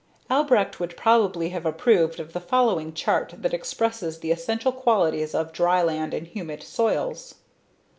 Albrecht would probably have approved of the following chart that expresses the essential qualities of dryland and humid soils.